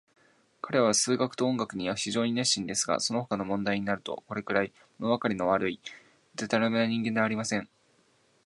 彼等は数学と音楽には非常に熱心ですが、そのほかの問題になると、これくらい、ものわかりの悪い、でたらめな人間はありません。